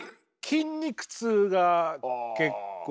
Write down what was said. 筋肉痛が結構。